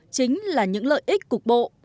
chính là những lợi ích cục bộ